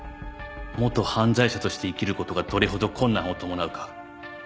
元犯罪者として生きることがどれほど困難を伴うか。